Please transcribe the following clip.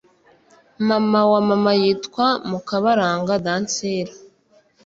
Mama wa mama yitwa mukabaranga dansila